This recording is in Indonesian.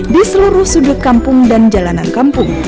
di seluruh sudut kampung dan jalanan kampung